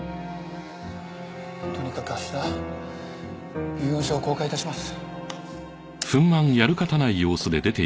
とにかく明日遺言書を公開致します。